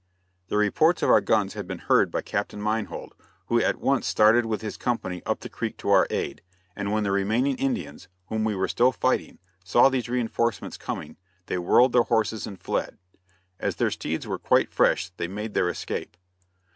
The reports of our guns had been heard by Captain Meinhold, who at once started with his company up the creek to our aid, and when the remaining Indians, whom we were still fighting, saw these reinforcements coming they whirled their horses and fled; as their steeds were quite fresh they made their escape.